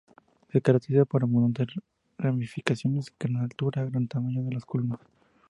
Se caracteriza por abundantes ramificaciones, gran altura, gran tamaño de los culmos.